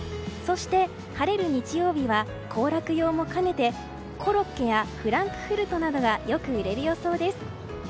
晴れる日曜日は行楽用も兼ねてコロッケやフランクフルトなどがよく売れる予想です。